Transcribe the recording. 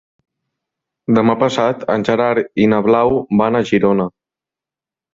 Demà passat en Gerard i na Blau van a Girona.